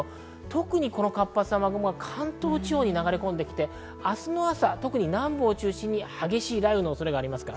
特に活発な雨雲は関東地方に流れ込んできて、明日の朝、特に南部を中心に激しい雷雨の恐れがあります。